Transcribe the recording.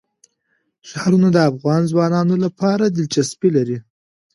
ښارونه د افغان ځوانانو لپاره دلچسپي لري.